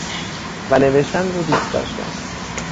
و نوشن رو دوست داشتم